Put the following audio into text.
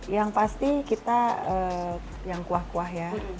yang pasti kita yang kuah kuah ya